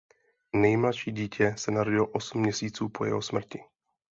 Nejmladší dítě se narodilo osm měsíců po jeho smrti.